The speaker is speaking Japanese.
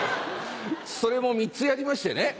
それも３つやりましてね。